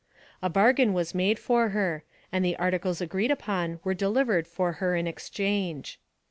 A bargain was made for her, and the articles agreed upon were delivered for her in exchange.